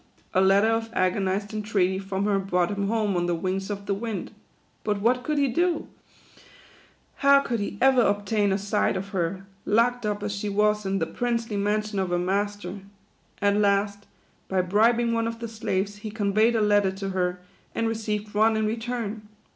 A letter of agonized entreaty from her brought him home on the wings of the wind. But what could he do ? How could he ever obtain a sight of her, locked up as she was in the princely mansion of her master ? At last, by bribing one of the slaves, he conveyed a letter to her, and received one in return.